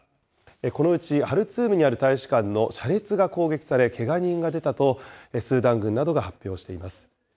このうちハルツームにある大使館の車列が攻撃され、けが人が出たとスーダン軍などが発表しています。